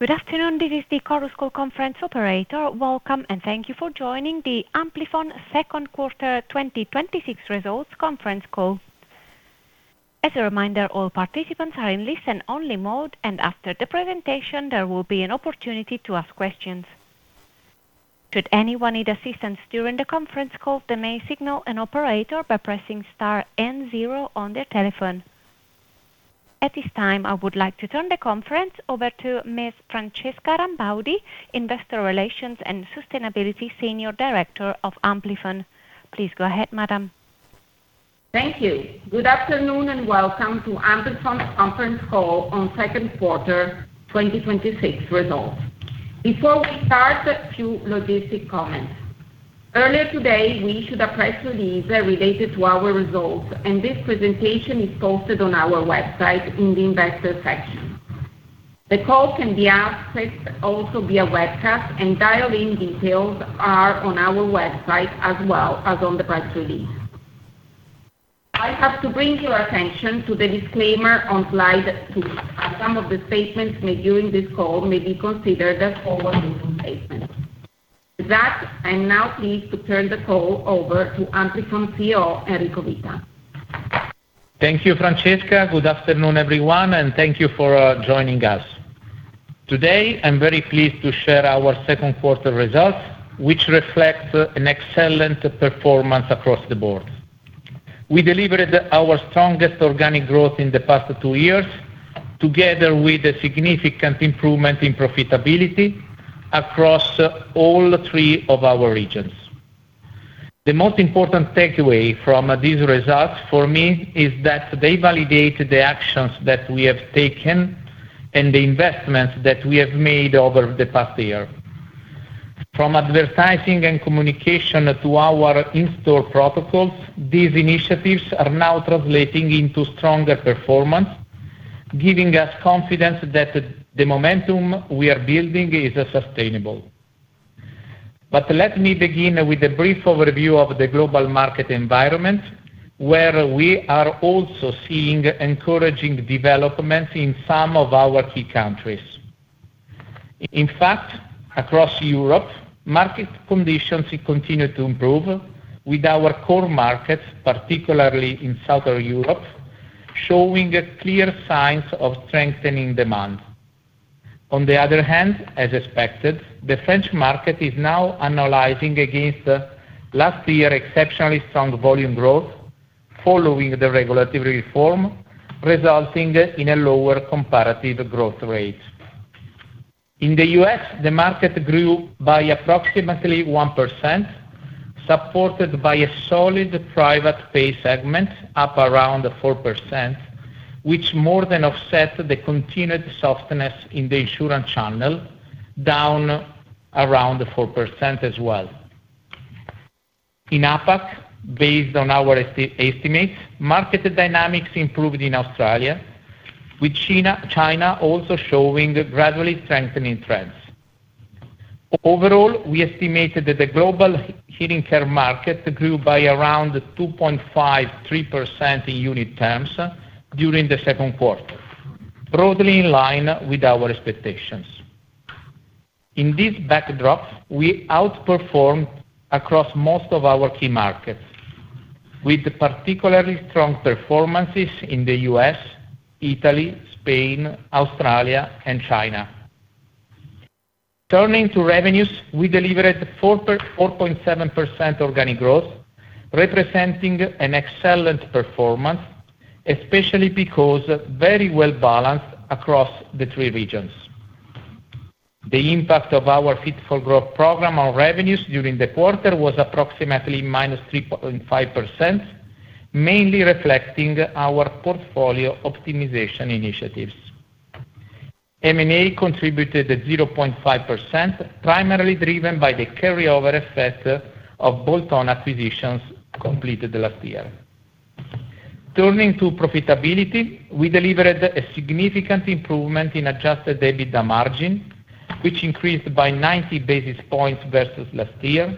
Good afternoon. This is the Chorus Call conference operator. Welcome. Thank you for joining the Amplifon Second Quarter 2026 Results Conference Call. As a reminder, all participants are in listen-only mode. After the presentation, there will be an opportunity to ask questions. Should anyone need assistance during the conference call, they may signal an operator by pressing star n zero on their telephone. At this time, I would like to turn the conference over to Ms. Francesca Rambaudi, Investor Relations and Sustainability Senior Director of Amplifon. Please go ahead, madam. Thank you. Good afternoon. Welcome to Amplifon Conference Call on Second Quarter 2026 Results. Before we start, a few logistic comments. Earlier today, we issued a press release related to our results. This presentation is posted on our website in the investor section. The call can be accessed also via webcast. Dial-in details are on our website, as well as on the press release. I have to bring your attention to the disclaimer on slide two, as some of the statements made during this call may be considered as forward-looking statements. With that, I'm now pleased to turn the call over to Amplifon CEO, Enrico Vita. Thank you, Francesca. Good afternoon, everyone. Thank you for joining us. Today, I'm very pleased to share our Second Quarter Results, which reflect an excellent performance across the board. We delivered our strongest organic growth in the past two years, together with a significant improvement in profitability across all three of our regions. The most important takeaway from these results for me is that they validate the actions that we have taken and the investments that we have made over the past year. From advertising and communication to our in-store protocols, these initiatives are now translating into stronger performance, giving us confidence that the momentum we are building is sustainable. Let me begin with a brief overview of the global market environment, where we are also seeing encouraging developments in some of our key countries. In fact, across Europe, market conditions continue to improve with our core markets, particularly in Southern Europe, showing clear signs of strengthening demand. On the other hand, as expected, the French market is now annualizing against last year exceptionally strong volume growth following the regulatory reform, resulting in a lower comparative growth rate. In the U.S., the market grew by approximately 1%, supported by a solid private pay segment up around 4%, which more than offset the continued softness in the insurance channel, down around 4% as well. In APAC, based on our estimates, market dynamics improved in Australia, with China also showing gradually strengthening trends. Overall, we estimated that the global hearing care market grew by around 2.53% in unit terms during the second quarter, broadly in line with our expectations. In this backdrop, we outperformed across most of our key markets, with particularly strong performances in the U.S., Italy, Spain, Australia, and China. Turning to revenues, we delivered 4.7% organic growth, representing an excellent performance, especially because very well-balanced across the three regions. The impact of our Fit4Growth program on revenues during the quarter was approximately -3.5%, mainly reflecting our portfolio optimization initiatives. M&A contributed 0.5%, primarily driven by the carryover effect of bolt-on acquisitions completed last year. Turning to profitability, we delivered a significant improvement in adjusted EBITDA margin, which increased by 90 basis points versus last year,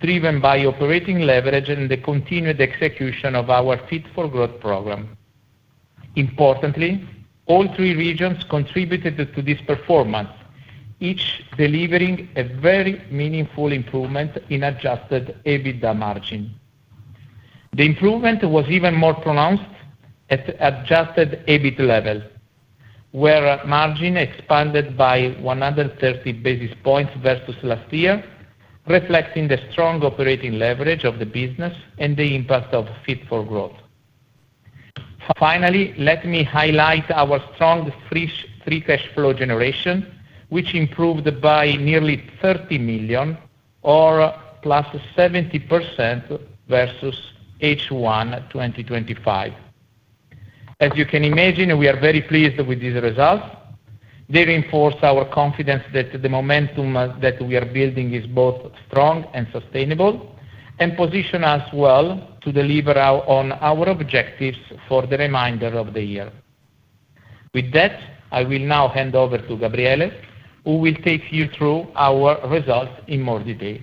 driven by operating leverage and the continued execution of our Fit4Growth program. Importantly, all three regions contributed to this performance, each delivering a very meaningful improvement in adjusted EBITDA margin. The improvement was even more pronounced at adjusted EBIT level, where margin expanded by 130 basis points versus last year, reflecting the strong operating leverage of the business and the impact of Fit4Growth. Finally, let me highlight our strong free cash flow generation, which improved by nearly 30 million or +70% versus H1 2025. As you can imagine, we are very pleased with these results. They reinforce our confidence that the momentum that we are building is both strong and sustainable and position us well to deliver on our objectives for the remainder of the year. With that, I will now hand over to Gabriele, who will take you through our results in more detail.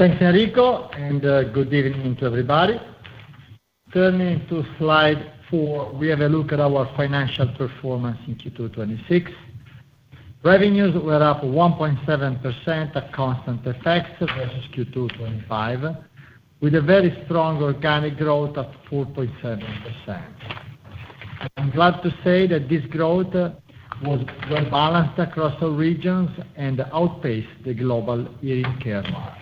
Thanks, Enrico, and good evening to everybody. Turning to slide four, we have a look at our financial performance in Q2 2026. Revenues were up 1.7% at constant FX versus Q2 2025, with a very strong organic growth of 4.7%. I am glad to say that this growth was well-balanced across all regions and outpaced the global hearing care market.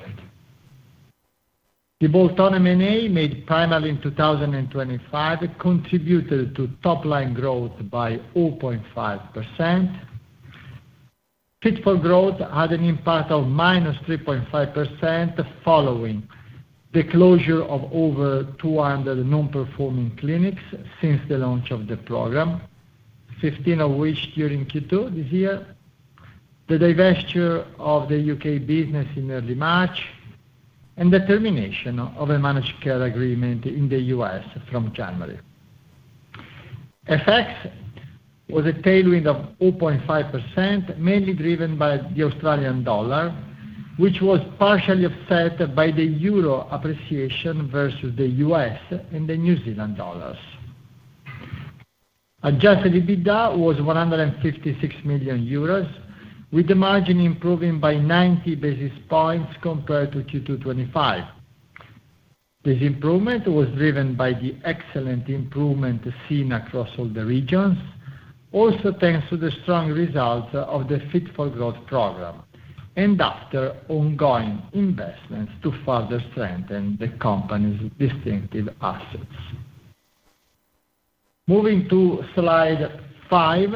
The bolt-on M&A made primarily in 2025 contributed to top-line growth by 0.5%. Fit4Growth had an impact of -3.5% following the closure of over 200 non-performing clinics since the launch of the program, 15 of which during Q2 this year, the divesture of the U.K. business in early March, and the termination of a managed care agreement in the U.S. from January. FX was a tailwind of 0.5%, mainly driven by the Australian dollar, which was partially offset by the euro appreciation versus the U.S. and the New Zealand dollars. Adjusted EBITDA was 156 million euros, with the margin improving by 90 basis points compared to Q2 2025. This improvement was driven by the excellent improvement seen across all the regions, also thanks to the strong results of the Fit4Growth program, and after ongoing investments to further strengthen the company's distinctive assets. Moving to slide five,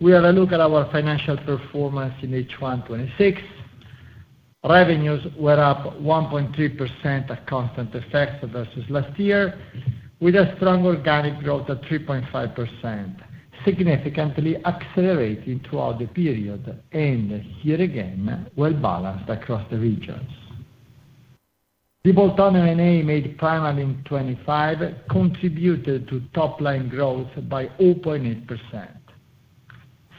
we have a look at our financial performance in H1 2026. Revenues were up 1.3% at constant FX versus last year, with a strong organic growth at 3.5%, significantly accelerating throughout the period and here again, well balanced across the regions. The bolt-on M&A made primarily in 2025 contributed to top-line growth by 0.8%.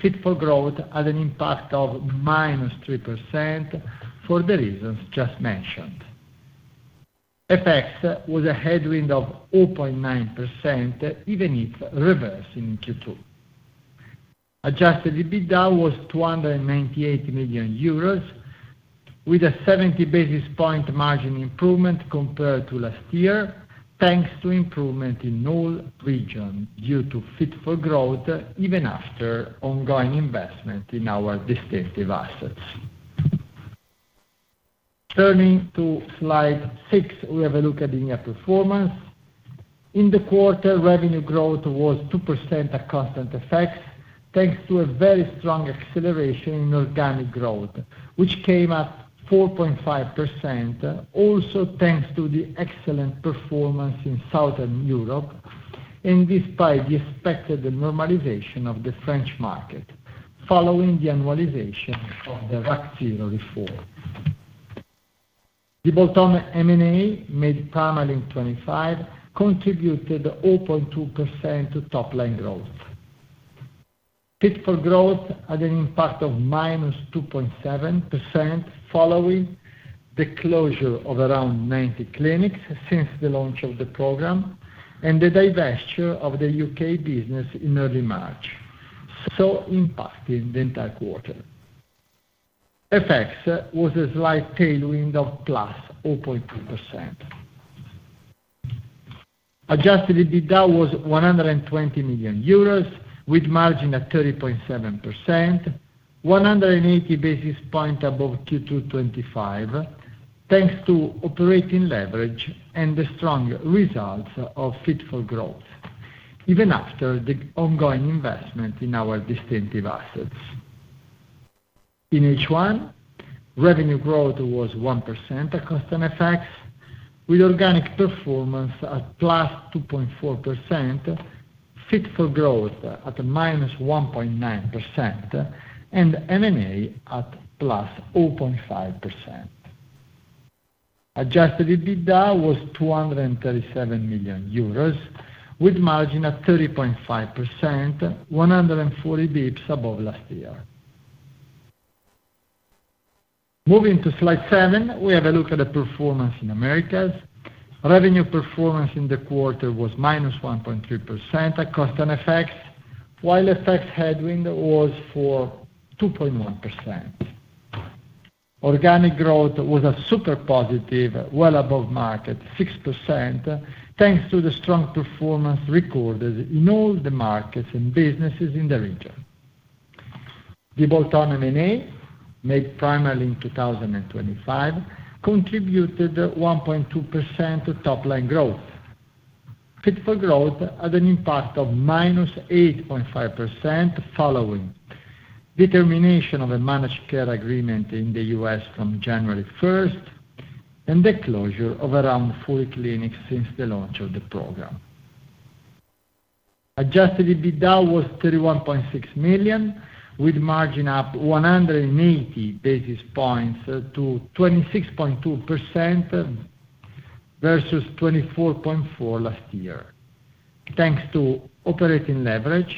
Fit4Growth had an impact of -3% for the reasons just mentioned. FX was a headwind of 0.9%, even if reversed in Q2. Adjusted EBITDA was 298 million euros, with a 70 basis point margin improvement compared to last year, thanks to improvement in all regions due to Fit4Growth, even after ongoing investment in our distinctive assets. Turning to slide six, we have a look at EMEA performance. In the quarter, revenue growth was 2% at constant FX, thanks to a very strong acceleration in organic growth, which came at 4.5%, also thanks to the excellent performance in Southern Europe and despite the expected normalization of the French market following the annualization of the RAC zéro reform. The bolt-on M&A made primarily in 2025 contributed 0.2% to top-line growth. Fit4Growth had an impact of -2.7% following the closure of around 90 clinics since the launch of the program and the divestiture of the U.K. business in early March, impacting the entire quarter. FX was a slight tailwind of +0.2%. Adjusted EBITDA was 120 million euros with margin at 30.7%, 180 basis points above Q2 2025, thanks to operating leverage and the strong results of Fit4Growth even after the ongoing investment in our distinctive assets. In H1, revenue growth was 1% at constant FX, with organic performance at +2.4%, Fit4Growth at -1.9%, and M&A at +0.5%. Adjusted EBITDA was 237 million euros, with margin at 30.5%, 140 basis points above last year. Moving to slide seven, we have a look at the performance in Americas. Revenue performance in the quarter was -1.3% at constant FX, while FX headwind was for 2.1%. Organic growth was a super positive, well above market, 6%, thanks to the strong performance recorded in all the markets and businesses in the region. The bolt-on M&A, made primarily in 2025, contributed 1.2% to top-line growth. Fit4Growth had an impact of -8.5% following the termination of a managed care agreement in the U.S. from January 1st and the closure of around four clinics since the launch of the program. Adjusted EBITDA was 31.6 million, with margin up 180 basis points to 26.2%. Versus 24.4% last year, thanks to operating leverage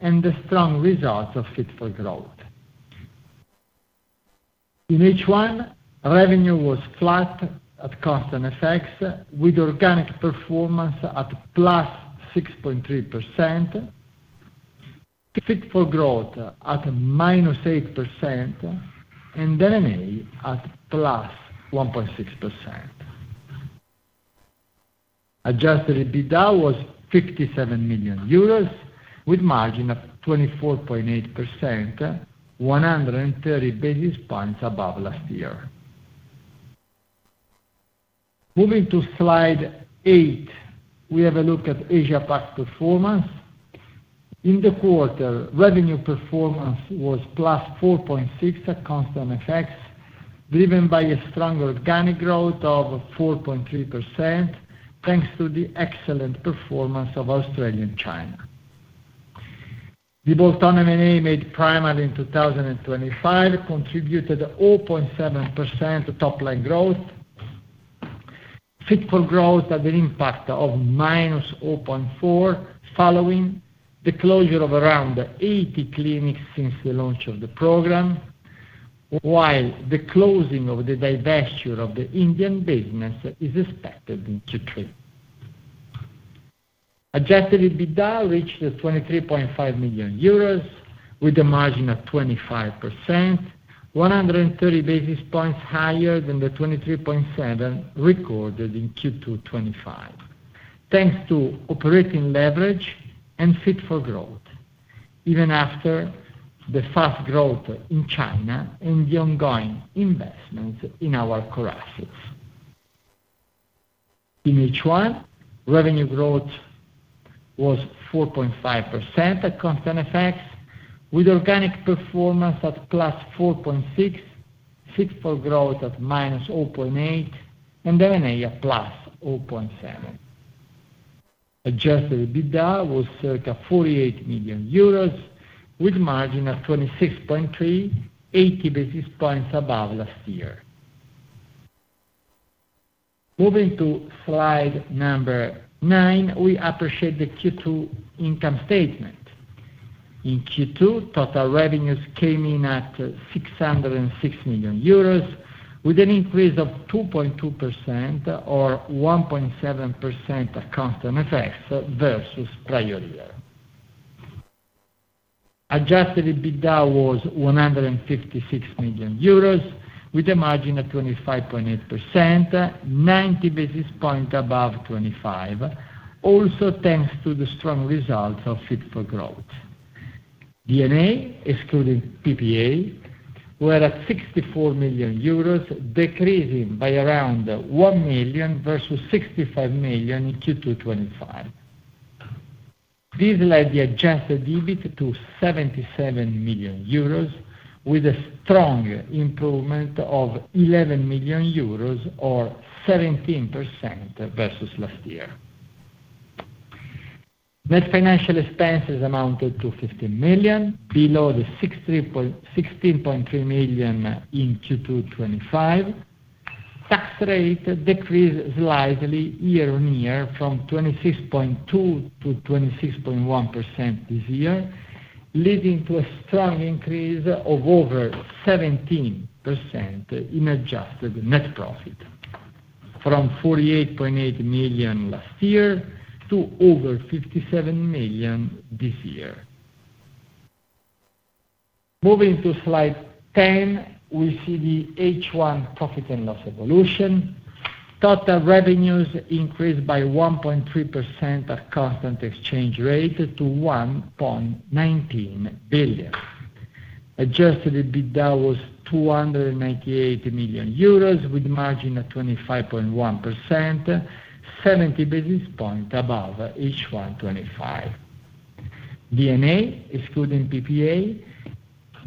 and the strong results of Fit4Growth. In H1, revenue was flat at constant FX, with organic performance at +6.3%, Fit4Growth at -8%, and M&A at +1.6%. Adjusted EBITDA was 57 million euros, with margin of 24.8%, 130 basis points above last year. Moving to slide eight, we have a look at Asia-Pac performance. In the quarter, revenue performance was +4.6% at constant FX, driven by a strong organic growth of 4.3%, thanks to the excellent performance of Australia and China. The bolt-on M&A made primarily in 2025 contributed 0.7% top-line growth. Fit4Growth had an impact of -0.4% following the closure of around 80 clinics since the launch of the program, while the closing of the divestiture of the Indian business is expected in Q3. Adjusted EBITDA reached 23.5 million euros, with a margin of 25%, 130 basis points higher than the 23.7% recorded in Q2 2025, thanks to operating leverage and Fit4Growth, even after the fast growth in China and the ongoing investment in our core assets. In H1, revenue growth was 4.5% at constant FX, with organic performance at +4.6%, Fit4Growth at -0.8%, and M&A at +0.7%. Adjusted EBITDA was circa 48 million euros, with margin of 26.3%, 80 basis points above last year. Moving to slide nine, we appreciate the Q2 income statement. In Q2, total revenues came in at 606 million euros, with an increase of 2.2% or 1.7% at constant FX versus prior-year. Adjusted EBITDA was 156 million euros, with a margin of 25.8%, 90 basis points above 25%, also thanks to the strong results of Fit4Growth. D&A, excluding PPA, were at 64 million euros, decreasing by around 1 million, versus 65 million in Q2 2025. This led the adjusted EBIT to 77 million euros, with a strong improvement of 11 million euros or 17% versus last year. Net financial expenses amounted to 15 million, below the 16.3 million in Q2 2025. Tax-rate decreased slightly year-on-year from 26.2%-26.1% this year, leading to a strong increase of over 17% in adjusted net profit, from 48.8 million last year to over 57 million this year. Moving to slide 10, we see the H1 profit and loss evolution. Total revenues increased by 1.3% at constant exchange rate to 1.19 billion. Adjusted EBITDA was 298 million euros, with margin at 25.1%, 70 basis points above H1 2025. D&A, excluding PPA,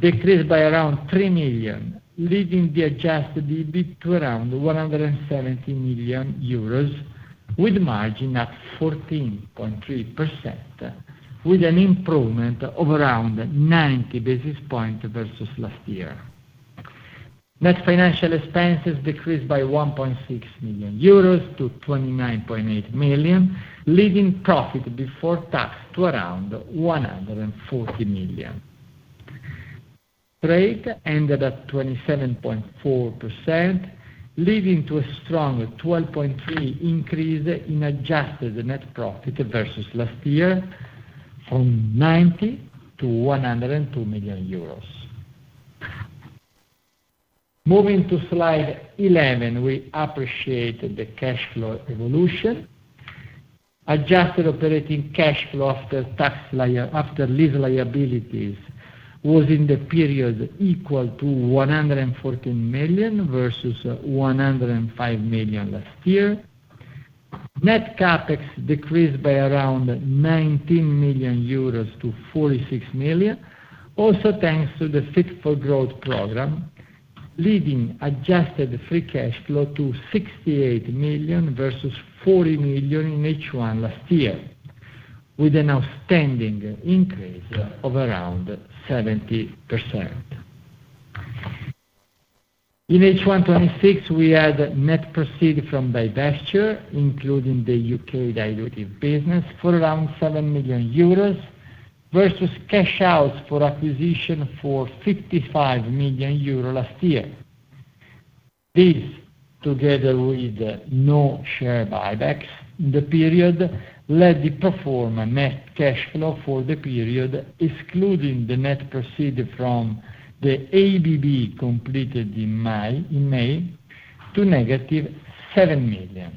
decreased by around 3 million, leading the adjusted EBIT to around 170 million euros, with margin at 14.3%, with an improvement of around 90 basis points versus last year. Net financial expenses decreased by 1.6 million euros to 29.8 million, leading profit before tax to around 140 million. Trade ended at 27.4%, leading to a strong 12.3% increase in adjusted net profit versus last year, from 90 million to 102 million euros. Moving to slide 11, we appreciate the cash flow evolution. Adjusted operating cash flow after lease liabilities was in the period equal to 114 million, versus 105 million last year. Net CapEx decreased by around 19 million euros to 46 million, also thanks to the Fit4Growth program, leading adjusted free cash flow to 68 million, versus 40 million in H1 last year, with an outstanding increase of around 70%. In H1 2026, we had net proceed from divestiture, including the U.K. distributive business, for around 7 million euros versus cash outs for acquisition for 55 million euros last year. This, together with no share buybacks in the period, led the pro forma net cash flow for the period, excluding the net proceed from the ABB completed in May, to -7 million,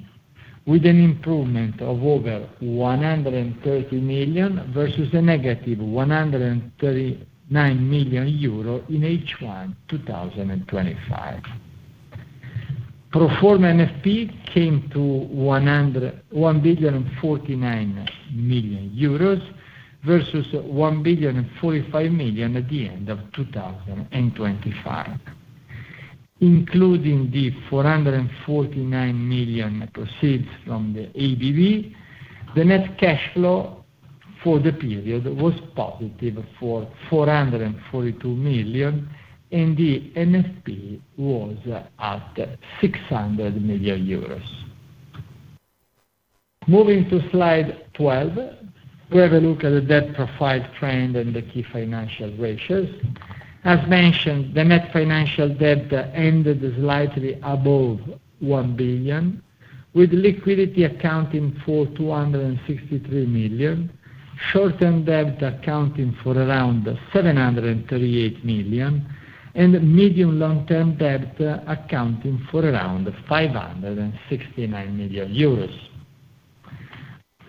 with an improvement of over 130 million versus a -139 million euro in H1 2025. Pro forma NFP came to 1.049 billion versus 1.045 billion at the end of 2025. Including the 449 million proceeds from the ABB, the net cash flow for the period was for +442 million, and the NFP was at 600 million euros. Moving to slide 12, we have a look at the debt profile trend and the key financial ratios. As mentioned, the net financial debt ended slightly above 1 billion, with liquidity accounting for 263 million, short-term debt accounting for around 738 million, and medium long-term debt accounting for around 569 million euros.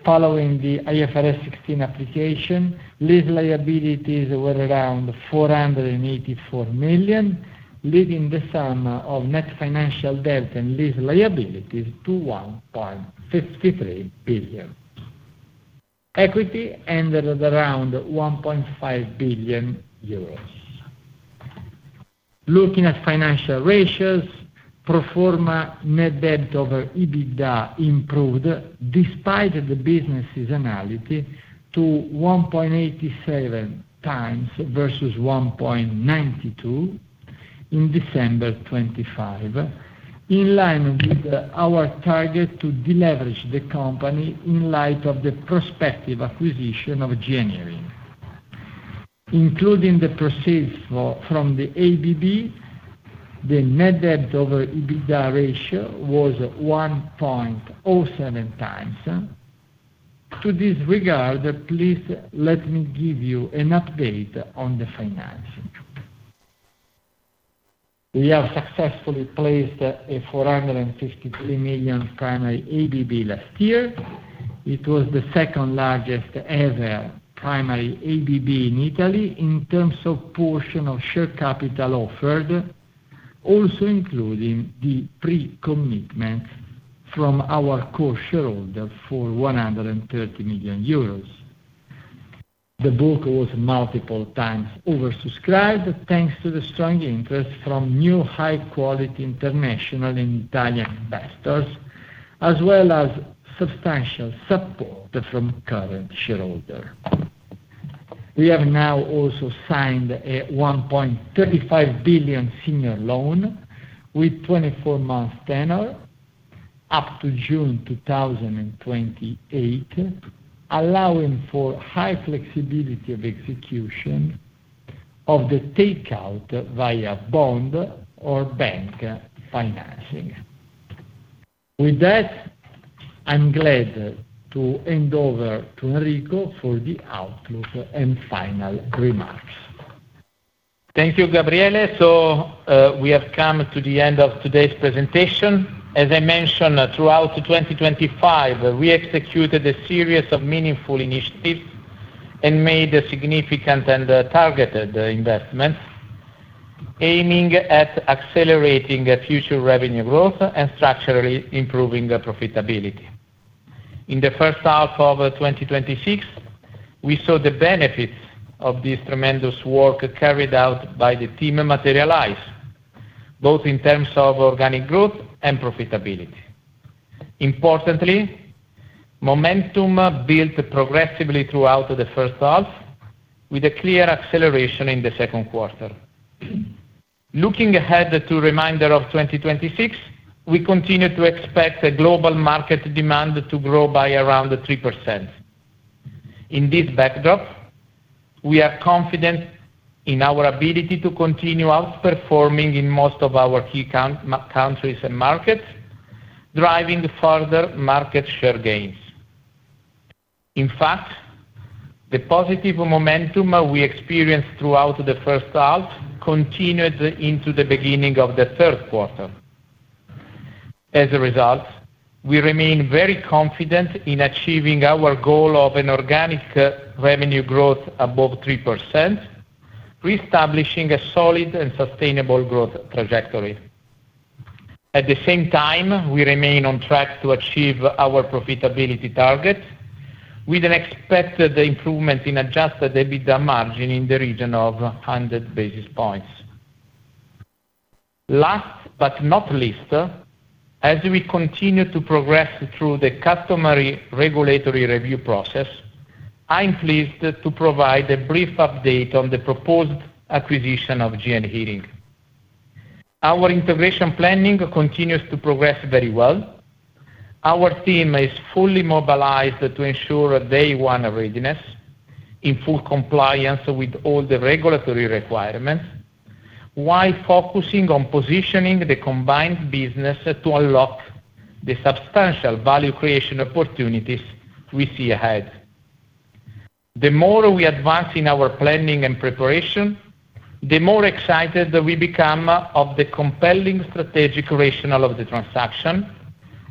Following the IFRS 16 application, lease liabilities were around 484 million, leading the sum of net financial debt and lease liabilities to 1.53 billion. Equity ended at around 1.5 billion euros. Looking at financial ratios, pro forma net debt over EBITDA improved despite the business seasonality to 1.87x versus 1.92x in December 2025, in line with our target to deleverage the company in light of the prospective acquisition of January. Including the proceeds from the ABB, the net debt over EBITDA ratio was 1.07x. To this regard, please let me give you an update on the financing. We have successfully placed a 453 million primary ABB last year. It was the second-largest ever primary ABB in Italy in terms of portion of share capital offered, also including the pre-commitment from our core shareholder for 130 million euros. The book was multiple times oversubscribed, thanks to the strong interest from new high-quality international and Italian investors, as well as substantial support from current shareholder. We have now also signed a 1.35 billion senior loan with 24-month tenor up to June 2028, allowing for high flexibility of execution of the takeout via bond or bank financing. With that, I'm glad to hand over to Enrico for the outlook and final remarks. Thank you, Gabriele. We have come to the end of today's presentation. As I mentioned, throughout 2025, we executed a series of meaningful initiatives and made significant and targeted investments aiming at accelerating future revenue growth and structurally improving the profitability. In the first half of 2026, we saw the benefits of this tremendous work carried out by the team materialize, both in terms of organic growth and profitability. Importantly, momentum built progressively throughout the first half with a clear acceleration in the second quarter. Looking ahead to the remainder of 2026, we continue to expect a global market demand to grow by around 3%. In this backdrop, we are confident in our ability to continue outperforming in most of our key countries and markets, driving further market share gains. In fact, the positive momentum we experienced throughout the first half continued into the beginning of the third quarter. As a result, we remain very confident in achieving our goal of an organic revenue growth above 3%, reestablishing a solid and sustainable growth trajectory. At the same time, we remain on track to achieve our profitability target with an expected improvement in adjusted EBITDA margin in the region of 100 basis points. Last but not least, as we continue to progress through the customary regulatory review process, I am pleased to provide a brief update on the proposed acquisition of GN Hearing. Our integration planning continues to progress very well. Our team is fully mobilized to ensure day one readiness, in full compliance with all the regulatory requirements, while focusing on positioning the combined business to unlock the substantial value creation opportunities we see ahead. The more we advance in our planning and preparation, the more excited we become of the compelling strategic rationale of the transaction,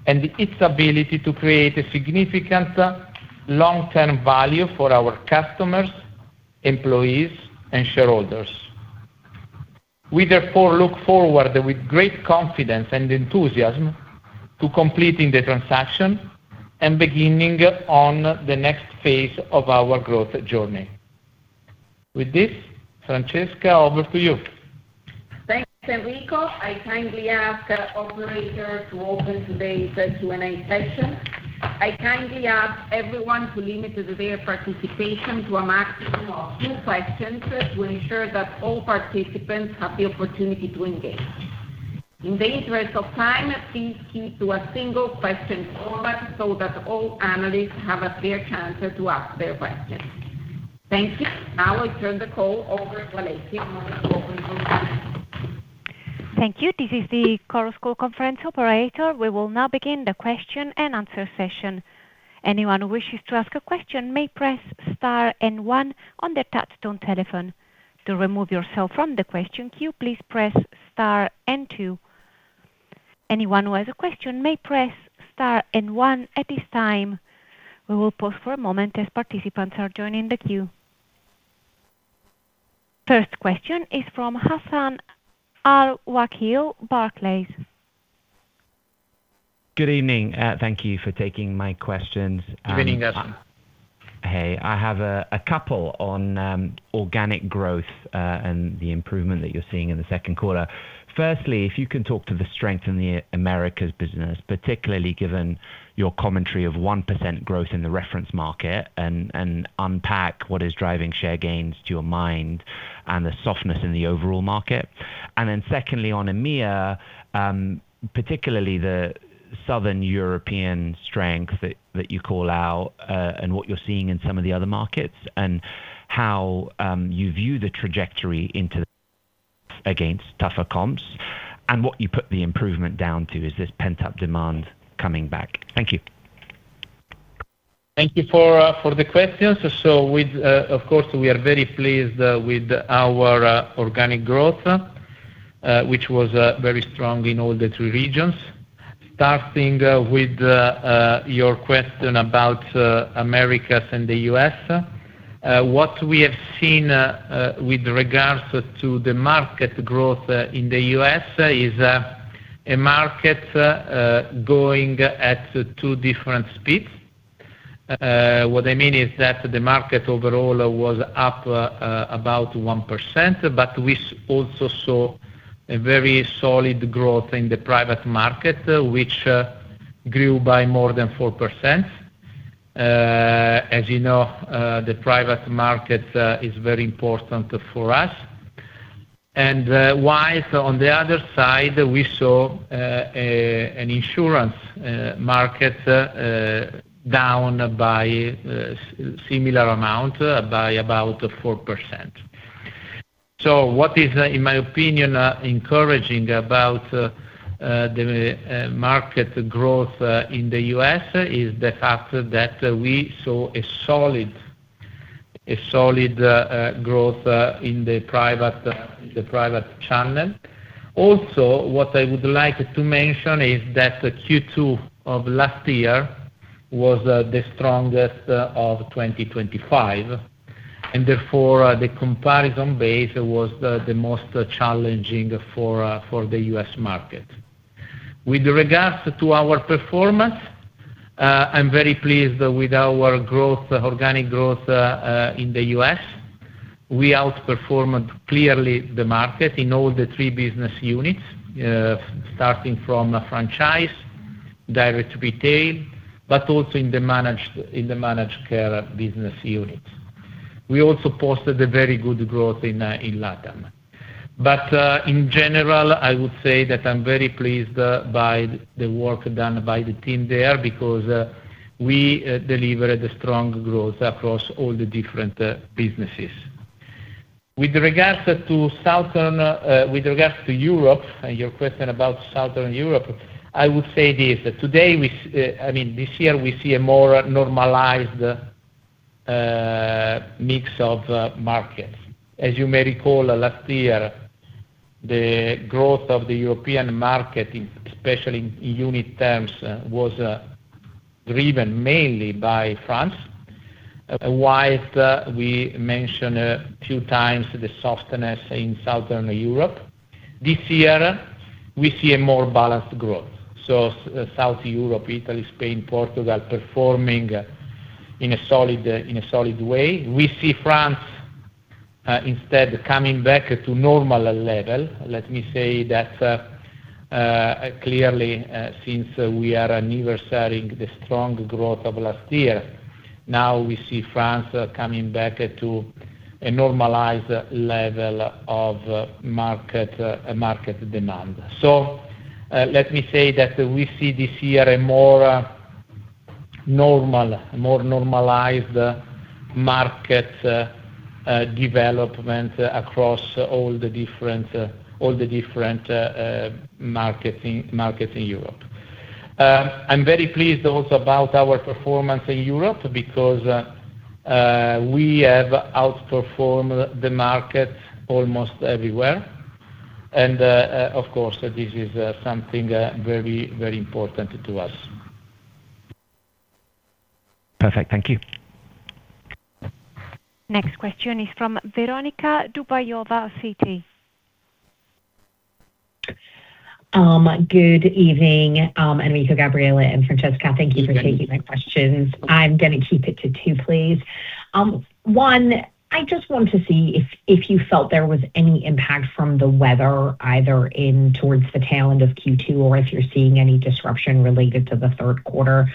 and its ability to create a significant long-term value for our customers, employees, and shareholders. We therefore look forward with great confidence and enthusiasm to completing the transaction and beginning on the next phase of our growth journey. With this, Francesca, over to you. Thanks, Enrico. I kindly ask operators to open today's Q&A session. I kindly ask everyone to limit their participation to a maximum of two questions to ensure that all participants have the opportunity to engage. In the interest of time, please keep to a single question format so that all analysts have a fair chance to ask their questions. Thank you. Now I turn the call over to Alexia to open the line. Thank you. This is the conference call operator. We will now begin the question and answer session. Anyone who wishes to ask a question may press star and one on their touch-tone telephone. To remove yourself from the question queue, please press star and two. Anyone who has a question may press star and one at this time. We will pause for a moment as participants are joining the queue. First question is from Hassan Al-Wakeel, Barclays. Good evening. Thank you for taking my questions. Good evening, yes. Hey, I have a couple on organic growth, and the improvement that you're seeing in the second quarter. Firstly, if you can talk to the strength in the Americas business, particularly given your commentary of 1% growth in the reference market, unpack what is driving share gains to your mind and the softness in the overall market. Secondly, on EMEA, particularly the Southern European strength that you call out, and what you're seeing in some of the other markets, and how you view the trajectory into against tougher comps, and what you put the improvement down to? Is this pent-up demand coming back? Thank you. Thank you for the questions. With, of course, we are very pleased with our organic growth, which was very strong in all the three regions. Starting with your question about Americas and the U.S. What we have seen with regards to the market growth in the U.S. is a market going at two different speeds. What I mean is that the market overall was up about 1%, but we also saw a very solid growth in the private market, which grew by more than 4%. As you know, the private market is very important for us. Whilst on the other side, we saw an insurance market down by a similar amount, by about 4%. What is, in my opinion, encouraging about the market growth in the U.S. is the fact that we saw a solid growth in the private channel. Also, what I would like to mention is that Q2 of last year was the strongest of 2025, and therefore, the comparison base was the most challenging for the U.S. market. With regards to our performance, I'm very pleased with our organic growth in the U.S. We outperforming clearly the market in all the three business units, starting from franchise, direct retail, but also in the managed care business units. We also posted a very good growth in LATAM. In general, I would say that I'm very pleased by the work done by the team there because we delivered a strong growth across all the different businesses. With regards to Europe, your question about Southern Europe, I would say this. This year we see a more normalized mix of markets. As you may recall, last year, the growth of the European market, especially in unit terms, was driven mainly by France, while we mentioned a few times the softness in Southern Europe. This year, we see a more balanced growth. South Europe, Italy, Spain, Portugal, performing in a solid way. We see France Instead of coming back to normal level, let me say that clearly since we are anniversarying the strong growth of last year, now we see France coming back to a normalized level of market demand. Let me say that we see this year a more normalized market development across all the different markets in Europe. I'm very pleased also about our performance in Europe because we have outperformed the market almost everywhere. Of course, this is something very important to us. Perfect. Thank you. Next question is from Veronika Dubajova of Citi. Good evening, Enrico, Gabriele, and Francesca. Thank you for taking my questions. I'm going to keep it to two, please. One, I just want to see if you felt there was any impact from the weather, either in towards the tail end of Q2 or if you're seeing any disruption related to the third quarter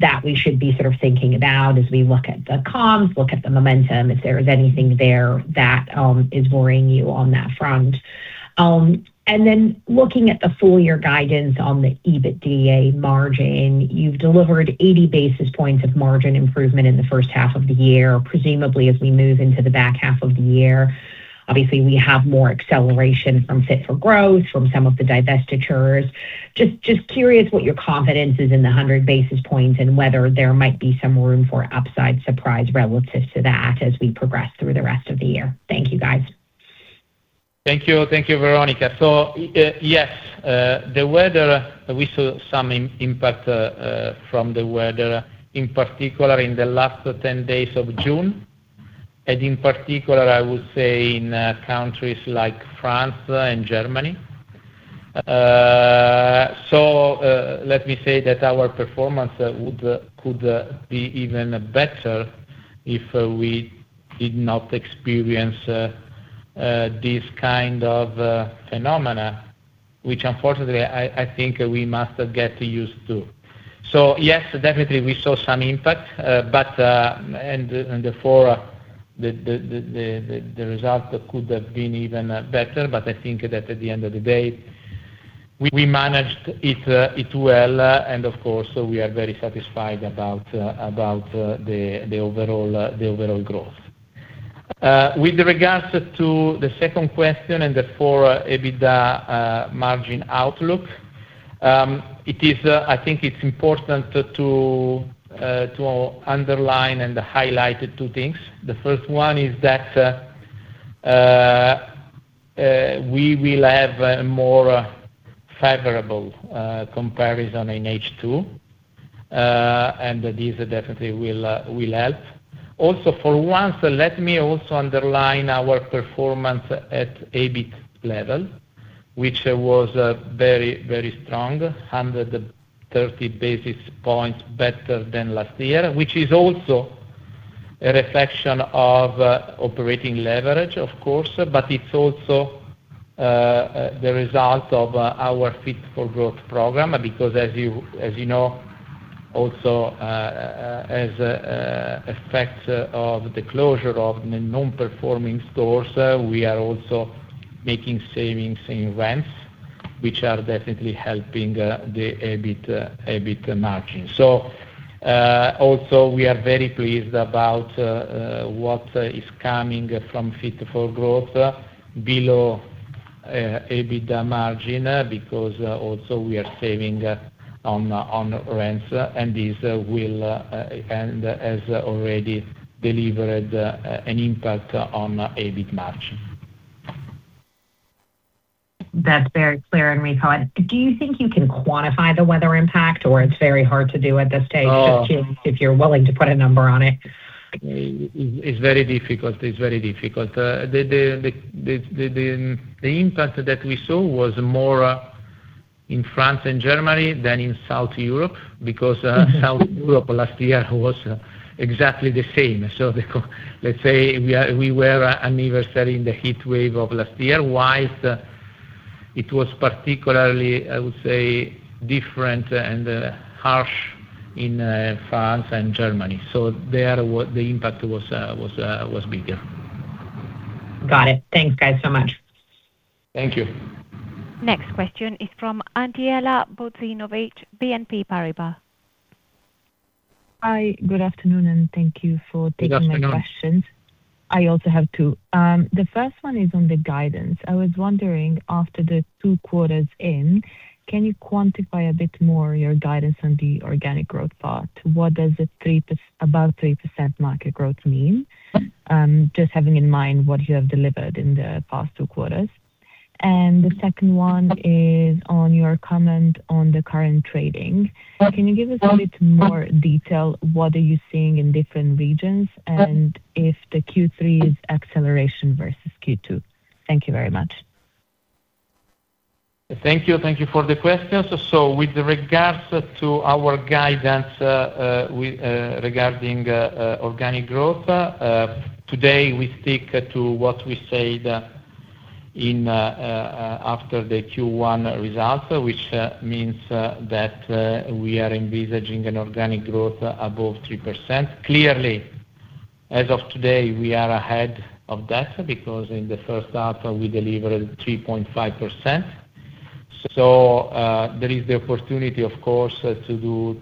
that we should be sort of thinking about as we look at the comms, look at the momentum, if there is anything there that is worrying you on that front. Then looking at the full-year guidance on the EBITDA margin, you've delivered 80 basis points of margin improvement in the first half of the year. Presumably, as we move into the back half of the year, obviously we have more acceleration from Fit4Growth from some of the divestitures. Just curious what your confidence is in the 100 basis points and whether there might be some room for upside surprise relative to that as we progress through the rest of the year. Thank you, guys. Thank you, Veronika. Yes, we saw some impact from the weather, in particular in the last 10 days of June, in particular, I would say in countries like France and Germany. Let me say that our performance could be even better if we did not experience this kind of phenomena, which unfortunately, I think we must get used to. Yes, definitely we saw some impact, and therefore the result could have been even better. I think that at the end of the day, we managed it well and, of course, we are very satisfied about the overall growth. With regards to the second question and therefore, EBITDA margin outlook, I think it's important to underline and highlight two things. The first one is that we will have a more favorable comparison in H2 and this definitely will help. For once, let me also underline our performance at EBIT level, which was very strong, 130 basis points better than last year, which is also a reflection of operating leverage, of course, but it's also the result of our Fit4Growth program because as you know, also as effects of the closure of the non-performing stores, we are also making savings in rents, which are definitely helping the EBIT margin. Also, we are very pleased about what is coming from Fit4Growth below EBITDA margin because also we are saving on rents and this has already delivered an impact on EBIT margin. That's very clear, Enrico. Do you think you can quantify the weather impact or it's very hard to do at this stage? Just curious if you're willing to put a number on it. It's very difficult. The impact that we saw was more in France and Germany than in South Europe because South Europe last year was exactly the same. Let's say we were annualizing the heat wave of last year. While it was particularly, I would say different and harsh in France and Germany. There, the impact was bigger. Got it. Thanks, guys, so much. Thank you. Next question is from [Antiela Buzi] of BNP Paribas. Hi, good afternoon, and thank you for taking my questions. Good afternoon. I also have two. The first one is on the guidance. I was wondering after the two quarters in, can you quantify a bit more your guidance on the organic growth part? What does about 3% market growth mean? Just having in mind what you have delivered in the past two quarters. The second one is on your comment on the current trading. Can you give us a bit more detail? What are you seeing in different regions and if the Q3 is acceleration versus Q2? Thank you very much. Thank you. Thank you for the questions. With regards to our guidance regarding organic growth, today, we stick to what we said after the Q1 results, which means that we are envisaging an organic growth above 3%. Clearly, as of today, we are ahead of that, because in the first half, we delivered 3.5%. There is the opportunity, of course, to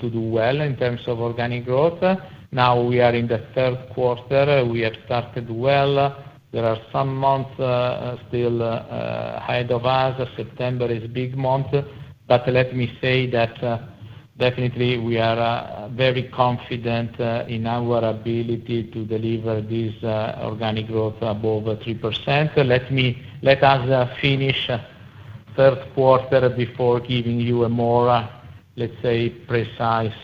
do well in terms of organic growth. Now we are in the third quarter. We have started well. There are some months still ahead of us. September is a big month. Let me say that definitely we are very confident in our ability to deliver this organic growth above 3%. Let us finish third quarter before giving you a more, let's say, precise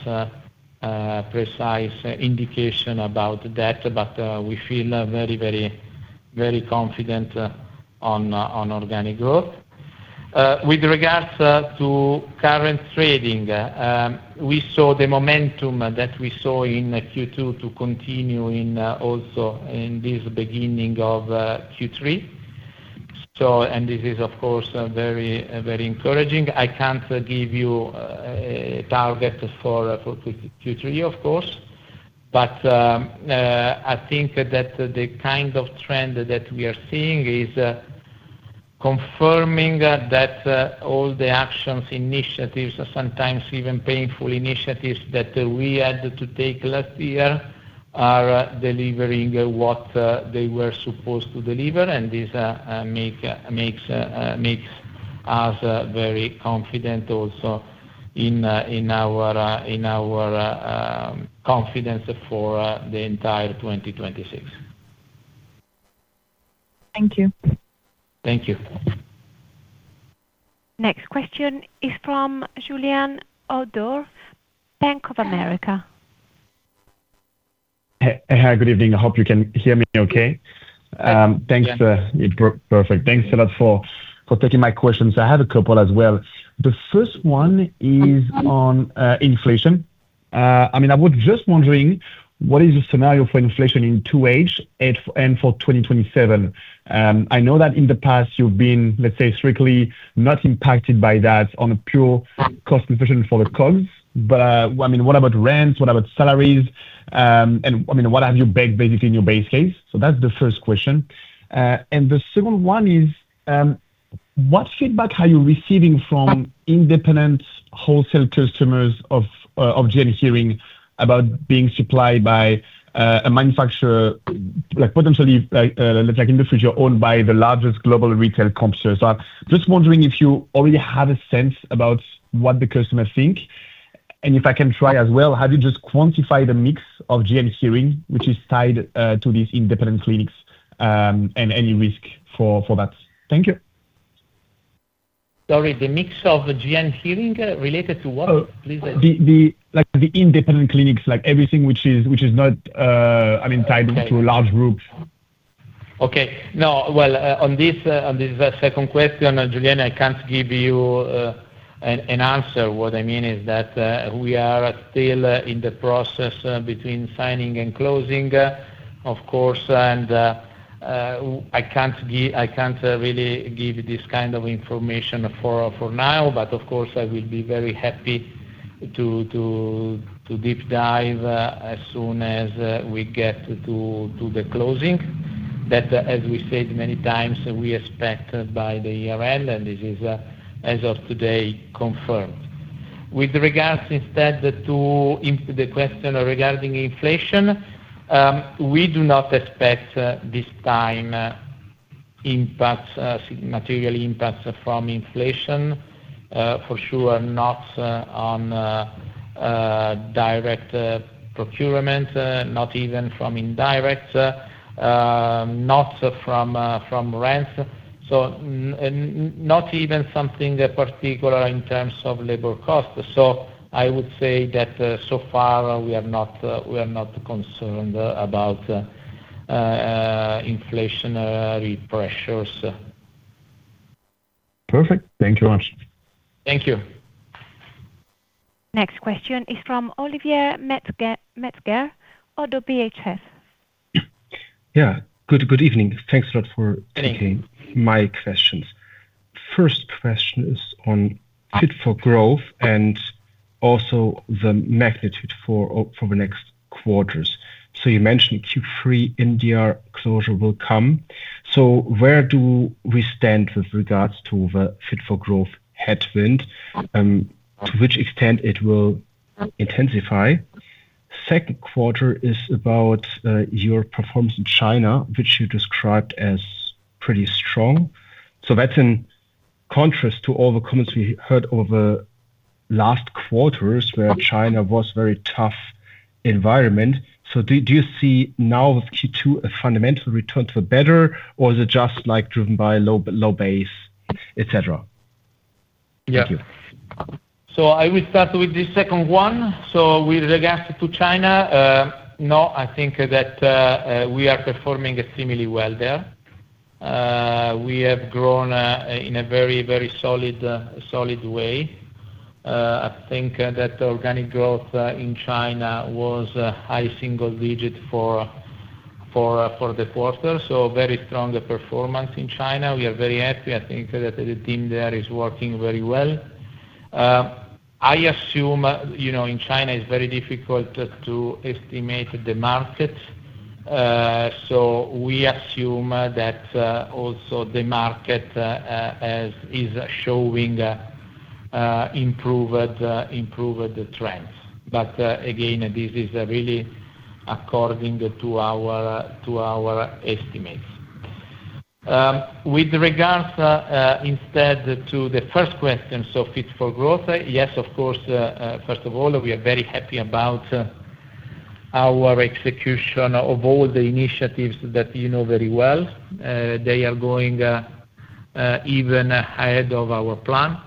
indication about that. We feel very confident on organic growth. With regards to current trading, we saw the momentum that we saw in Q2 to continue also in this beginning of Q3. This is, of course, very encouraging. I can't give you a target for Q3, of course, but I think that the kind of trend that we are seeing is confirming that all the actions, initiatives, sometimes even painful initiatives that we had to take last year, are delivering what they were supposed to deliver. This makes us very confident also in our confidence for the entire 2026. Thank you. Thank you. Next question is from Julien Ouaddour, Bank of America. Hi. Good evening. I hope you can hear me okay. Yes. Thanks. It worked perfect. Thanks a lot for taking my questions. I have a couple as well. The first one is on inflation. I was just wondering, what is the scenario for inflation in H2 and for 2027? I know that in the past you've been, let's say, strictly not impacted by that on a pure cost efficient for the COGS. What about rents? What about salaries? What have you baked, basically, in your base case? That's the first question. The second one is, what feedback are you receiving from independent wholesale customers of GN Hearing about being supplied by a manufacturer, potentially, in the future, owned by the largest global retail competitor? I'm just wondering if you already have a sense about what the customers think, and if I can try as well, have you just quantified the mix of GN Hearing, which is tied to these independent clinics, and any risk for that? Thank you. Sorry, the mix of GN Hearing related to what, please? The independent clinics, everything which is not tied to large groups. Okay. No. Well, on this second question, Julien, I can't give you an answer. What I mean is that we are still in the process between signing and closing, of course. I can't really give this kind of information for now. Of course, I will be very happy to deep dive as soon as we get to the closing. That, as we said many times, we expect by the year-end, and this is, as of today, confirmed. With regards instead to the question regarding inflation, we do not expect this time material impacts from inflation. For sure, not on direct procurement, not even from indirect, not from rent. Not even something particular in terms of labor cost. I would say that so far we are not concerned about inflationary pressures. Perfect. Thanks a lot. Thank you. Next question is from Olivier Metzger, Oddo BHF. Yeah. Good evening. Thanks a lot. Good evening. Taking my questions. First question is on Fit4Growth and also the magnitude for the next quarters. You mentioned Q3, India closure will come. Where do we stand with regards to the Fit4Growth headwind? To which extent it will intensify? Second quarter is about your performance in China, which you described as pretty strong. That's in contrast to all the comments we heard over last quarters where China was very tough environment. Do you see now with Q2 a fundamental return to the better, or is it just driven by low base, et cetera? Yeah. Thank you. I will start with the second one. With regards to China, no, I think that we are performing similarly well there. We have grown in a very solid way. I think that organic growth in China was high-single-digit for the quarter. Very strong performance in China. We are very happy. I think that the team there is working very well. I assume, in China, it's very difficult to estimate the market. We assume that also the market is showing improved trends. Again, this is really according to our estimates. With regard instead to the first question, Fit4Growth. Yes, of course, first of all, we are very happy about our execution of all the initiatives that you know very well. They are going even ahead of our plan.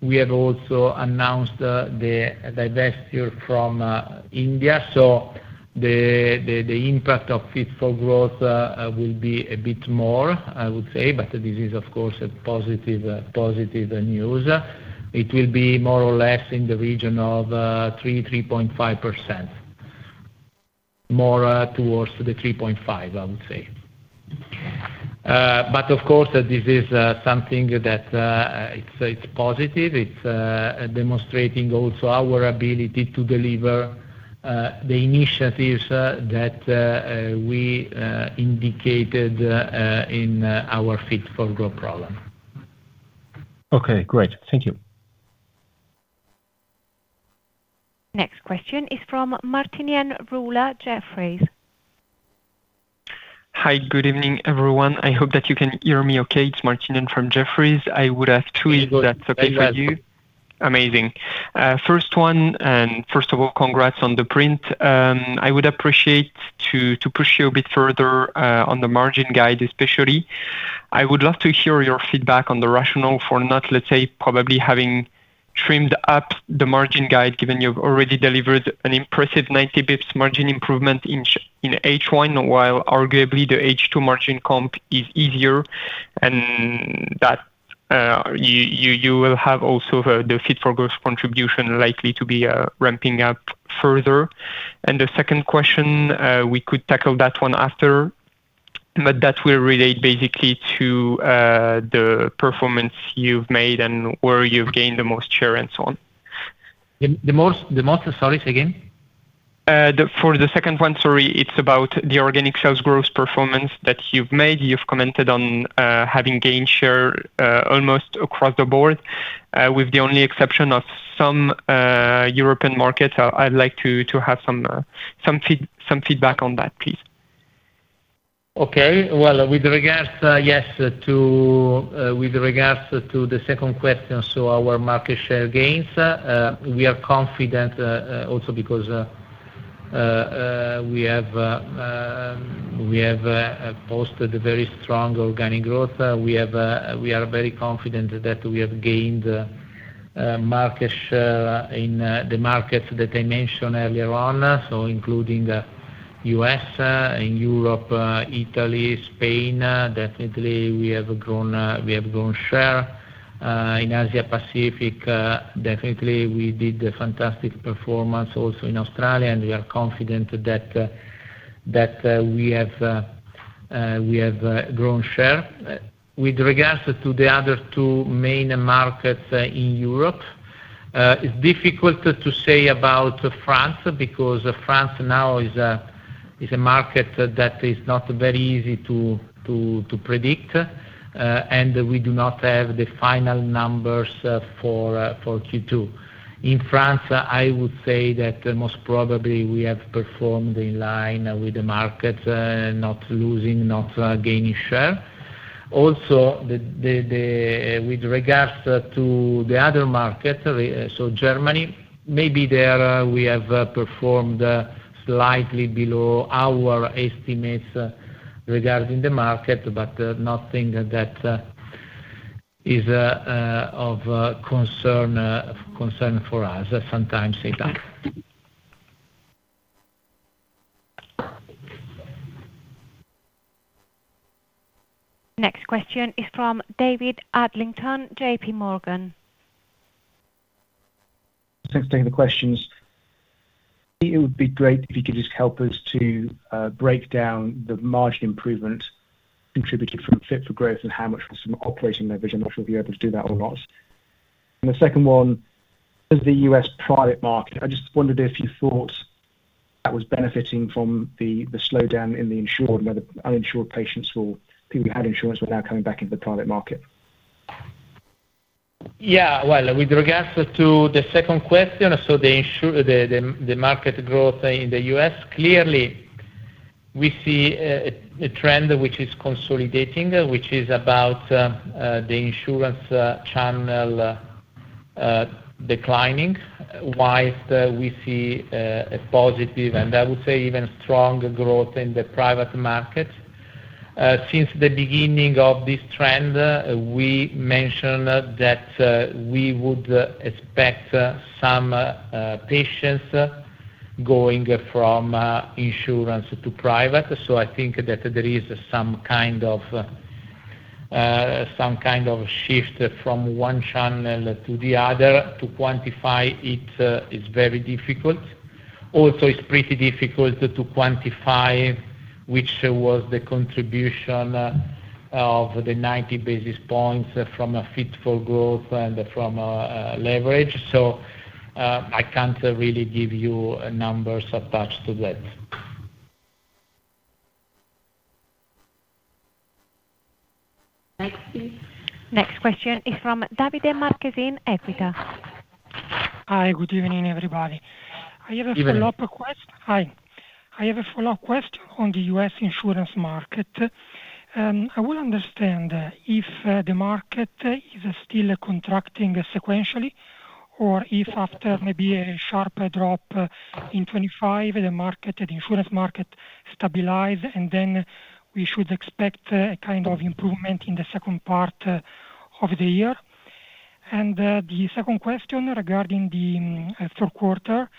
We have also announced the divestiture from India. The impact of Fit4Growth will be a bit more, I would say, this is of course positive news. It will be more or less in the region of 3%-3.5%. More towards the 3.5%, I would say. Of course, this is something that it's positive. It's demonstrating also our ability to deliver the initiatives that we indicated in our Fit4Growth program. Okay, great. Thank you. Next question is from Martinien Rula, Jefferies. Hi. Good evening, everyone. I hope that you can hear me okay. It's Martinien from Jefferies. I would ask two, if that's okay with you. Very well. Amazing. First one. First of all, congrats on the print. I would appreciate to push you a bit further, on the margin guide, especially. I would love to hear your feedback on the rationale for not, let's say, probably having trimmed up the margin guide, given you've already delivered an impressive 90 basis points margin improvement in H1, while arguably the H2 margin comp is easier, and that you will have also the Fit4Growth contribution likely to be ramping-up further. The second question, we could tackle that one after, but that will relate basically to the performance you've made and where you've gained the most share and so on. The most, sorry, say again? For the second one, sorry. It's about the organic sales growth performance that you've made. You've commented on having gain share almost across the board, with the only exception of some European markets. I'd like to have some feedback on that, please. Okay. Well, with regards to the second question, our market share gains, we are confident, also because we have posted a very strong organic growth. We are very confident that we have gained market share in the markets that I mentioned earlier on. Including U.S. and Europe, Italy, Spain, definitely we have grown share. In Asia-Pacific, definitely we did a fantastic performance also in Australia, we are confident that we have grown share. With regards to the other two main markets in Europe, it's difficult to say about France because France now is a market that is not very easy to predict. We do not have the final numbers for Q2. In France, I would say that most probably we have performed in line with the market, not losing, not gaining share. Also, with regards to the other market, Germany, maybe there we have performed slightly below our estimates regarding the market, nothing that is of concern for us. Sometimes it happens. Next question is from David Adlington, JPMorgan. Thanks for taking the questions. It would be great if you could just help us to break down the margin improvement contributed from Fit4Growth and how much was from operating leverage. I'm not sure if you'll be able to do that or not. The second one is the U.S. private market. I just wondered if you thought that was benefiting from the slowdown in the insured, where the uninsured patients who people had insurance were now coming back into the private market. Well, with regards to the second question, the market growth in the U.S., clearly we see a trend which is consolidating, which is about the insurance channel declining, whilst we see a positive, and I would say even strong growth in the private market. Since the beginning of this trend, we mentioned that we would expect some patients going from insurance to private. I think that there is some kind of shift from one channel to the other. To quantify it is very difficult. Also, it's pretty difficult to quantify which was the contribution of the 90 basis points from a Fit4Growth and from leverage. I can't really give you numbers attached to that. Next please. Next question is from Davide Marchesin, Equita. Hi, good evening, everybody. Good evening. Hi. I have a follow-up question on the U.S. insurance market. I would understand if the market is still contracting sequentially or if after maybe a sharp drop in 2025, the insurance market stabilize, then we should expect a kind of improvement in the second part of the year. The second question regarding the third quarter evolution,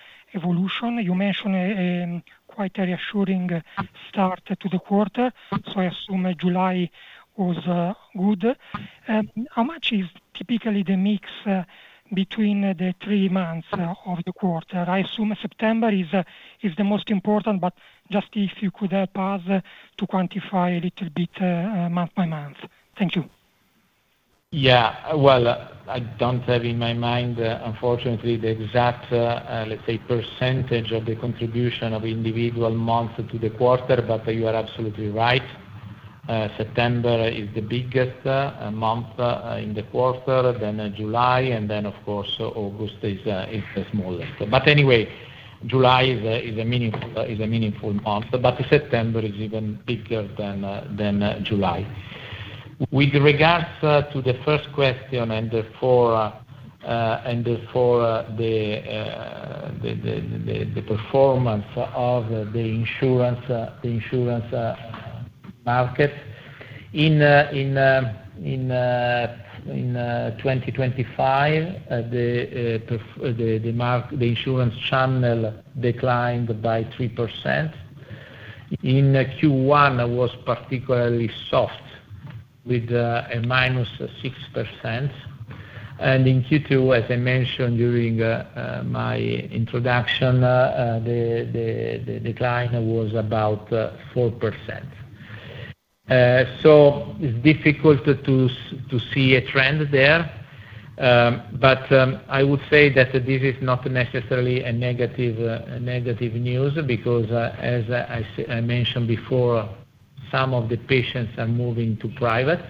you mentioned a quite reassuring start to the quarter, so I assume July was good. How much is typically the mix between the three months of the quarter? I assume September is the most important, but just if you could help us to quantify a little bit, month-by-month. Thank you. Yeah. Well, I don't have in my mind, unfortunately, the exact, let's say, percentage of the contribution of individual months to the quarter. You are absolutely right, September is the biggest month in the quarter, then July, and then, of course, August is the smallest. Anyway, July is a meaningful month, but September is even bigger than July. With regards to the first question, and for the performance of the insurance market. In 2025, the insurance channel declined by 3%. In Q1, was particularly soft with a -6%. In Q2, as I mentioned during my introduction, the decline was about 4%. It's difficult to see a trend there. I would say that this is not necessarily a negative news because, as I mentioned before, some of the patients are moving to private.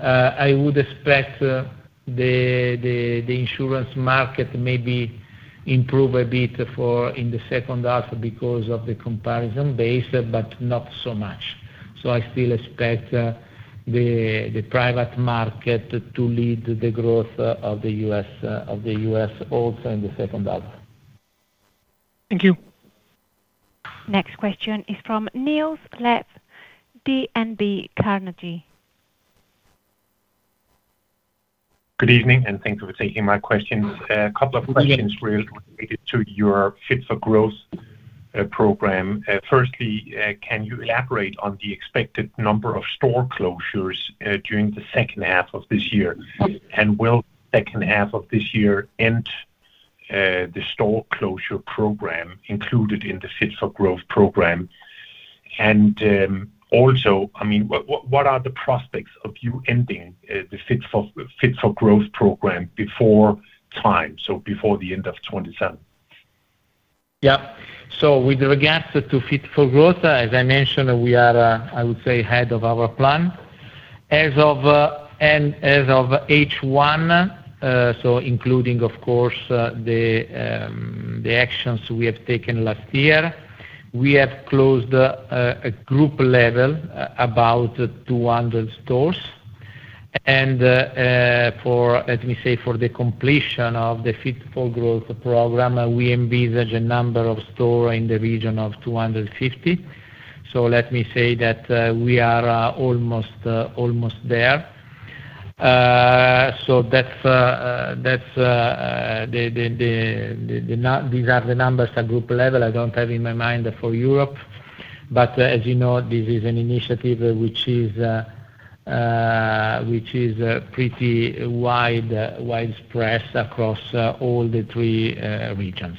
I would expect the insurance market maybe improve a bit in the second half because of the comparison base, but not so much. I still expect the private market to lead the growth of the U.S. also in the second half. Thank you. Next question is from Niels Klep, DNB Carnegie. Good evening, thank you for taking my questions. Two questions related to your Fit4Growth program. Firstly, can you elaborate on the expected number of store closures during the second half of this year? Will second half of this year end the store closure program included in the Fit4Growth program? What are the prospects of you ending the Fit4Growth program before time, before the end of 2027? With regards to Fit4Growth, as I mentioned, we are ahead of our plan. As of H1, including, of course, the actions we have taken last year, we have closed a group level about 200 stores. Let me say, for the completion of the Fit4Growth program, we envisage a number of store in the region of 250. Let me say that we are almost there. These are the numbers at group level. I don't have in my mind for Europe. As you know, this is an initiative which is pretty widespread across all the three regions.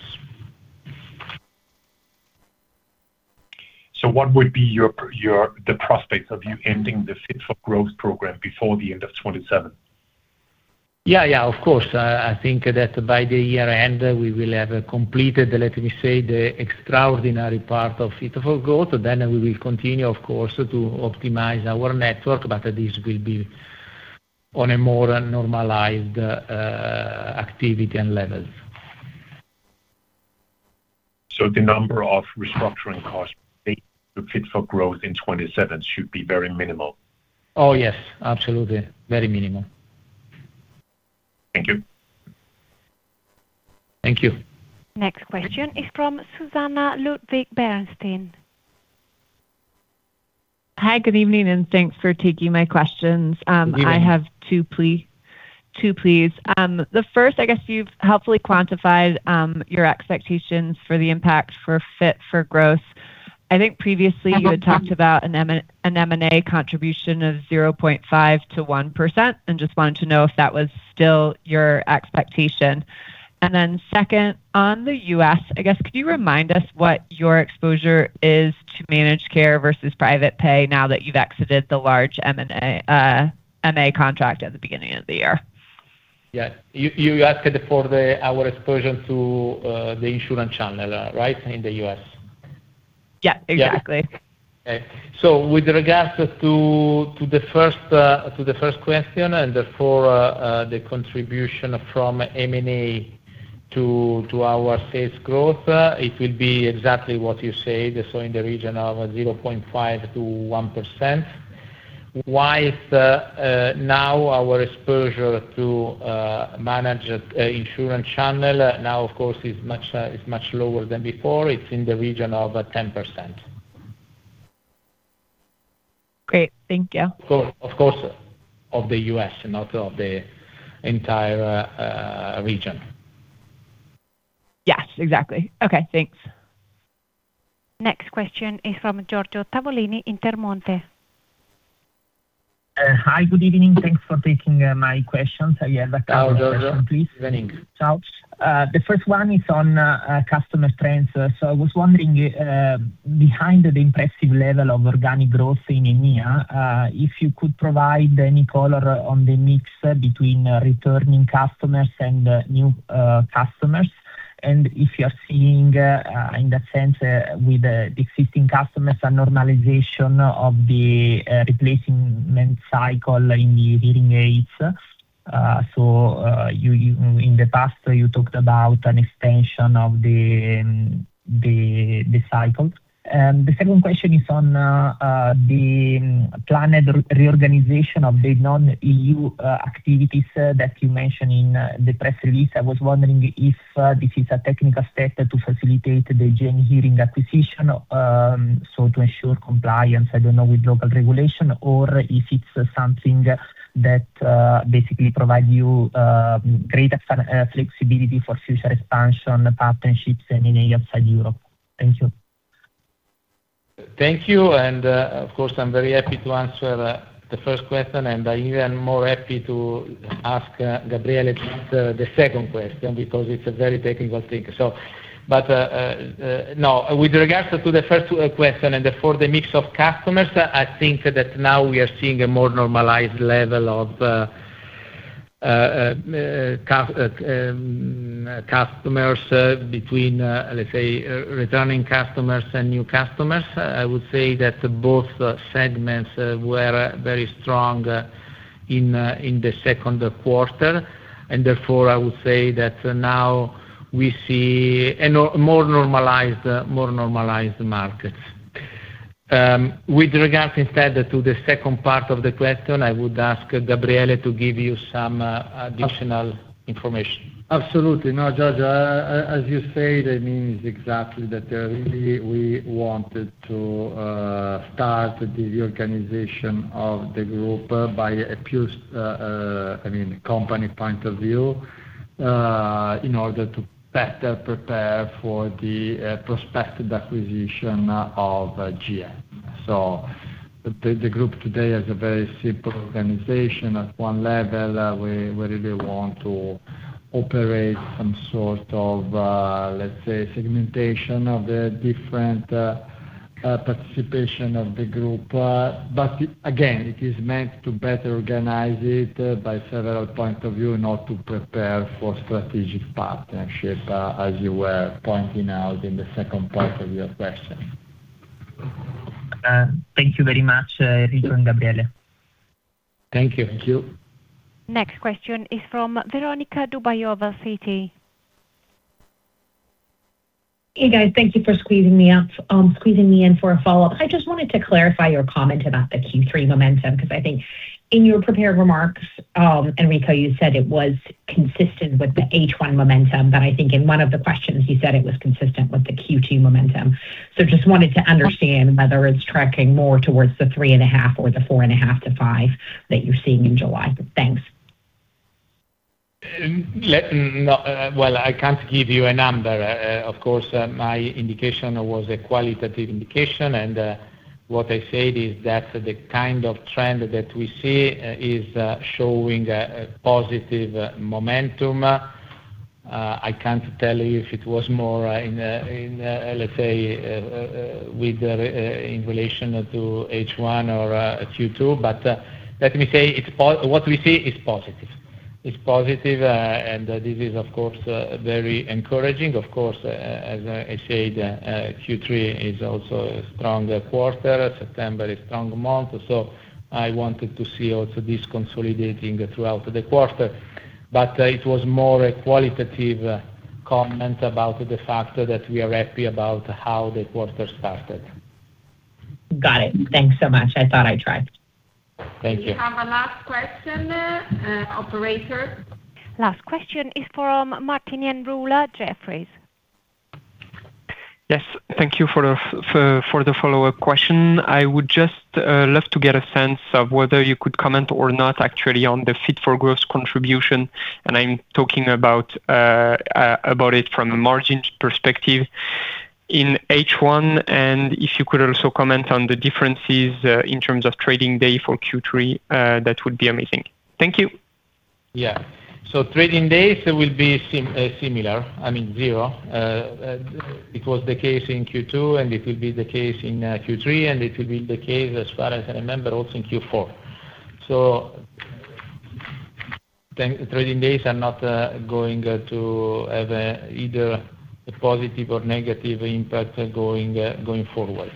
What would be the prospects of you ending the Fit4Growth program before the end of 2027? Of course. I think that by the year-end, we will have completed, let me say, the extraordinary part of Fit4Growth. We will continue, of course, to optimize our network, this will be on a more normalized activity and levels. The number of restructuring costs related to Fit4Growth in 2027 should be very minimal? Oh, yes, absolutely. Very minimal. Thank you. Thank you. Next question is from Susannah Ludwig, Bernstein. Hi, good evening, thanks for taking my questions. Good evening. I have two, please. The first, I guess you've helpfully quantified your expectations for the impact for Fit4Growth. I think previously you had talked about an M&A contribution of 0.5%-1%, and just wanted to know if that was still your expectation. Then second, on the U.S., I guess, could you remind us what your exposure is to managed care versus private pay now that you've exited the large M&A contract at the beginning of the year? Yeah. You asked for our exposure to the insurance channel, right? In the U.S. Yeah, exactly. Okay. With regards to the first question and for the contribution from M&A to our sales growth, it will be exactly what you said. In the region of 0.5%-1%. Whilst now our exposure to managed insurance channel, of course, is much lower than before. It's in the region of 10%. Great. Thank you. Of course, of the U.S. and not of the entire region. Yes, exactly. Okay, thanks. Next question is from Giorgio Tavolini, Intermonte. Hi. Good evening. Thanks for taking my questions. I have a couple of questions, please. Ciao, Giorgio. Good evening. Ciao. The first one is on customer trends. I was wondering, behind the impressive level of organic growth in EMEA, if you could provide any color on the mix between returning customers and new customers. If you are seeing, in that sense, with the existing customers, a normalization of the replacement cycle in the hearing aids. In the past you talked about an extension of the cycles. The second question is on the planned reorganization of the non-EU activities that you mentioned in the press release. I was wondering if this is a technical step to facilitate the GN Hearing acquisition, to ensure compliance, I don't know, with local regulation, or if it's something that basically provide you greater flexibility for future expansion partnerships in EMEA and Europe. Thank you. Thank you. Of course, I'm very happy to answer the first question, and even more happy to ask Gabriele to answer the second question, because it's a very technical thing. No, with regards to the first question and for the mix of customers, I think that now we are seeing a more normalized level of customers between, let's say, returning customers and new customers. I would say that both segments were very strong in the second quarter, therefore, I would say that now we see a more normalized market. With regards instead to the second part of the question, I would ask Gabriele to give you some additional information. Absolutely. No, Giorgio, as you said, it means exactly that really we wanted to start the reorganization of the group by a pure company point of view, in order to better prepare for the prospective acquisition of GN. The group today has a very simple organization at one level. We really want to operate some sort of segmentation of the different participation of the group. But again, it is meant to better organize it by several point of view, not to prepare for strategic partnership, as you were pointing out in the second part of your question. Thank you very much, Enrico and Gabriele. Thank you. Thank you. Next question is from Veronika Dubajova, Citi. Hey, guys. Thank you for squeezing me in for a follow-up. I just wanted to clarify your comment about the Q3 momentum, because I think in your prepared remarks, Enrico, you said it was consistent with the H1 momentum, but I think in one of the questions you said it was consistent with the Q2 momentum. Just wanted to understand whether it's tracking more towards the 3.5 or the 4.5 to 5 that you're seeing in July. Thanks. Well, I can't give you a number. Of course, my indication was a qualitative indication, and what I said is that the kind of trend that we see is showing positive momentum. I can't tell you if it was more in relation to H1 or Q2. Let me say, what we see is positive. It's positive, and this is of course, very encouraging. Of course, as I said, Q3 is also a strong quarter. September is strong month. I wanted to see also this consolidating throughout the quarter. It was more a qualitative comment about the fact that we are happy about how the quarter started. Got it. Thanks so much. I thought I'd try. Thank you. We have a last question. Operator? Last question is from Martinien Rula, Jefferies. Yes. Thank you for the follow-up question. I would just love to get a sense of whether you could comment or not actually on the Fit4Growth contribution, I'm talking about it from a margins perspective in H1. If you could also comment on the differences in terms of trading day for Q3, that would be amazing. Thank you. Yeah. Trading days will be similar. I mean, zero. It was the case in Q2, and it will be the case in Q3, and it will be the case, as far as I remember, also in Q4. Trading days are not going to have either a positive or negative impact going forward.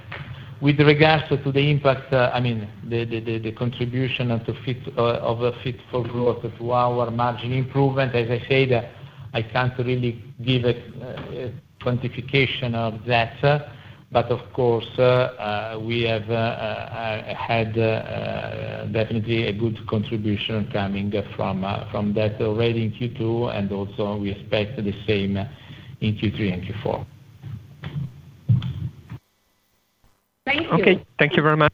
With regards to the impact, the contribution of the Fit4Growth to our margin improvement, as I said, I can't really give a quantification of that. Of course, we have had definitely a good contribution coming from that already in Q2, and also we expect the same in Q3 and Q4. Thank you. Okay. Thank you very much.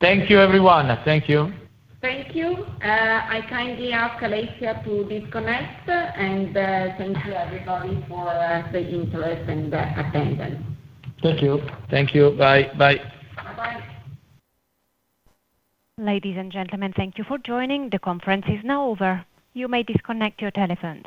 Thank you, everyone. Thank you. Thank you. I kindly ask Alexia to disconnect, thank you everybody for the interest and the attendance. Thank you. Thank you. Bye. Bye-bye. Ladies and gentlemen, thank you for joining. The conference is now over. You may disconnect your telephones.